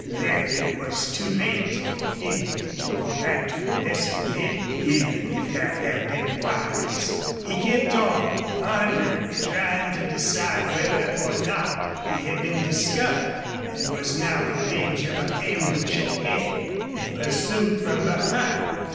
Then it was too late for him to go back to investigate, even if that had been wise. He kept on, pondering, trying to decide whether or not he had been discovered and was now in danger of ambush ahead and pursuit from behind.